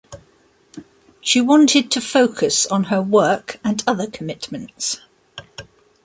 She wanted to focus on her work and other commitments.